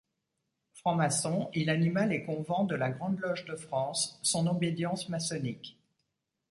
Franc-maçon, il anima les convents de la Grande Loge de France, son obédience maçonnique.